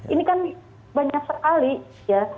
ini kan banyak sekali ya